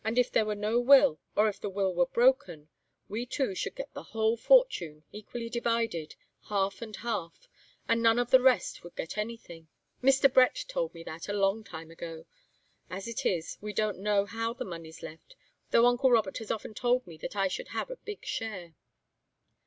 If there were no will, or if the will were broken, we two should get the whole fortune, equally divided, half and half, and none of the rest would get anything. Mr. Brett told me that a long time ago. As it is, we don't know how the money's left, though uncle Robert has often told me that I should have a big share."